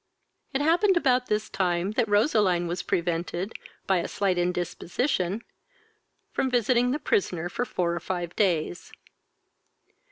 It happened about this time that Roseline was prevented, by a slight indisposition, from visiting the prisoner for four or five days.